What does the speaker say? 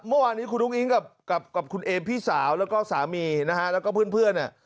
เมื่อวานนี้คุณอุ้งอิ๊งกับคุณเอมพี่สาวแล้วก็สามีนะฮะแล้วก็เพื่อนเนี่ย